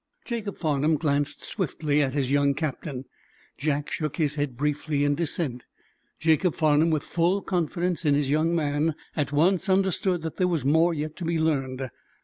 Jacob Farnum glanced swiftly at his young captain. Jack shook his head briefly in dissent. Jacob Farnum, with full confidence in his young man, at once understood that there was more yet to be learned.